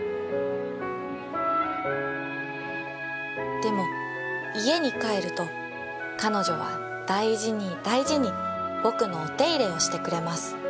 「でも家に帰ると彼女は大事に大事に僕のお手入れをしてくれます」。